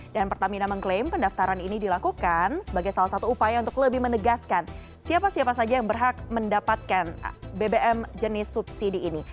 dan pertamina mengklaim pendaftaran ini dilakukan sebagai salah satu upaya untuk lebih menegaskan siapa siapa saja yang berhak mendapatkan bbm jenis subsidi ini